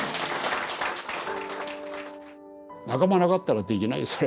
仲間なかったらできないよ